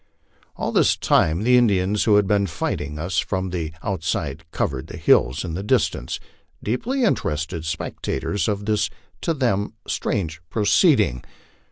All this time the Indians who had been fighting us from tho outside covered the hills in the distance, deeply interested spectators of this to them strange proceeding.